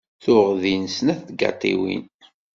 Tuɣ din snat tgaṭiwin.